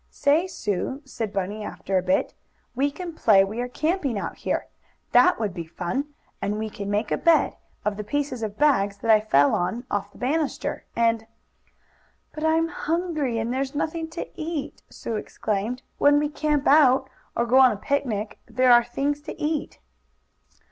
"Say, Sue," said Bunny, after a bit, "we can play we are camping out here. That would be fun, and we can make a bed of the pieces of bags that I fell on off the banister, and " "But I'm hungry, and there's nothing to eat!" Sue exclaimed. "When we camp out, or go on a picnic, there are things to eat."